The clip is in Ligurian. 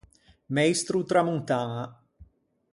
Meistro-tramontaña.